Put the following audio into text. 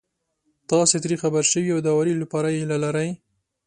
تاسې ترې خبر شوي او د هواري لپاره يې هيله لرئ.